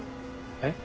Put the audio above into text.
えっ？